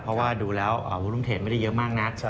เพราะว่าดูแล้ววุฒรุ่งเทศไม่ได้เยอะมากนัก